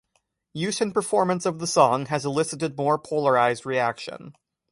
Use and performance of the song has elicited more polarized reaction.